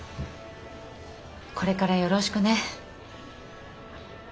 これからよろしくね。